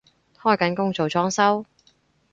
開緊工做裝修？